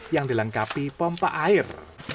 yang dilengkapi pompa air